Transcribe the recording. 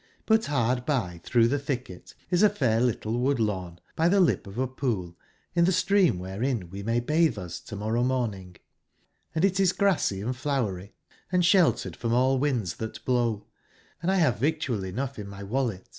But bard by tbrougb tbc tbicket is a fair little wood/lawn, by tbe lip of a pool in tbe stream wberein we may batbe us to/morrow morn ing; and it is grassy and flowery and sbeltered from all winds tbat blow, and 1 bave victual enougb in my wallet.